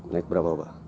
naik berapa pak